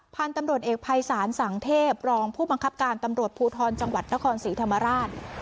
พันธุ์ตำรวจเอกภัยศาลสังเทพรองผู้บังคับการตำรวจภูทรจังหวัดนครศรีธรรมราช